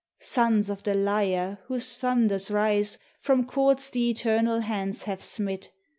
Suns of the Lyre whose thunders rise From chords the eternal Hands have smit!